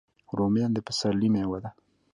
رومیان د پسرلي میوه ده